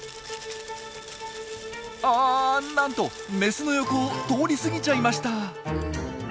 ああなんとメスの横を通り過ぎちゃいました。